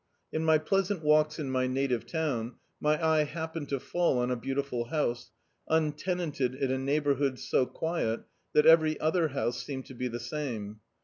In my pleasant walks in my native town, my eye bap pened to fall on a beautiful house, untenanted in a neighbourhood so quiet that eveiy other house seemed to be the same.